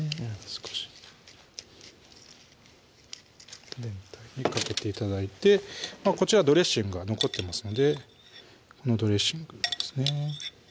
少し全体にかけて頂いてこちらドレッシングが残ってますのでドレッシングですね